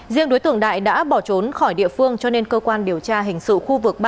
riêng đối tượng đại đã bỏ trốn khỏi địa phương cho nên cơ quan điều tra hình sự khu vực